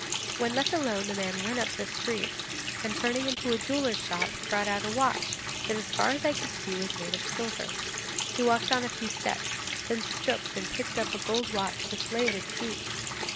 'When left alone the man went up the street, and turning into a jeweller's shop, brought out a watch that as far as I could see was made of silver. He walked on a few steps, then stooped and picked up a gold watch which lay at his feet.